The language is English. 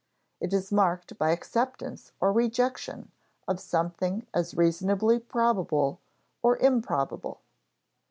It is marked by acceptance or rejection of something as reasonably probable or improbable.